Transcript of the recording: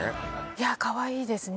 いやかわいいですね